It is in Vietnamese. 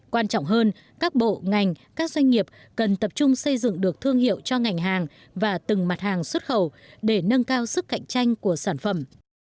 quan trọng hơn các bộ ngành các doanh nghiệp cần tập trung xây dựng được thương hiệu cho ngành hàng và từng mặt hàng xuất khẩu để nâng cao sức cạnh tranh của sản phẩm